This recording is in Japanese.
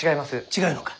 違うのか。